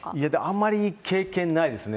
あんまり経験ないですね。